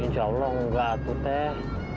insya allah enggak satu teh